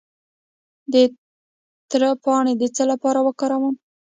د تره پاڼې د څه لپاره وکاروم؟